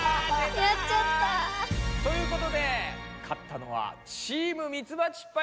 やっちゃった。ということで勝ったのはチームミツバチパイセン！